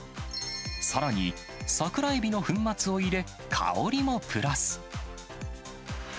さらに、桜エビの粉末を入れ、香りもプラス。